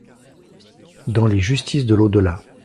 Dans Les justices de l’au-delà.